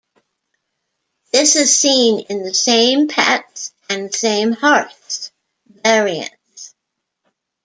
This is seen in the "Same Pets" and "Same Hearths" variants.